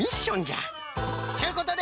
ちゅうことで！